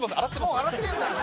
もう洗ってるんだね。